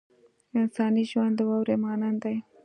انساني ژوند د واورې مانند دی.